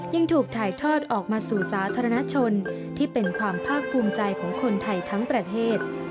ยังถูกถ่ายทอดออกมาสู่สาธารณชนที่เป็นความภาคภูมิใจของคนไทยทั้งประเทศ